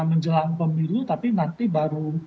menjelang pemilu tapi nanti baru